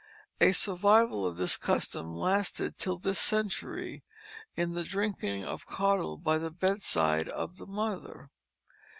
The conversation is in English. A survival of this custom lasted till this century in the drinking of caudle by the bedside of the mother.